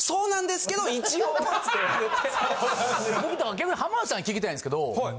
逆に浜田さんに聞きたいんですけど。